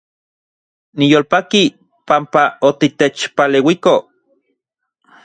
Niyolpaki panpa otitechpaleuiko